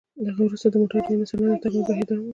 له هغه وروسته د موټر جوړونې صنعت د تکامل بهیر دوام وکړ.